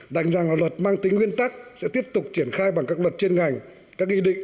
đành rằng là luật mang tính nguyên tắc sẽ tiếp tục triển khai bằng các luật chuyên ngành các nghị định